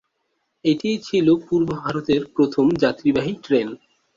এটিই ছিল পূর্ব ভারতের প্রথম যাত্রীবাহী ট্রেন।